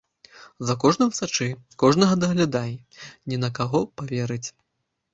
За кожным сачы, кожнага даглядай, не на каго паверыць!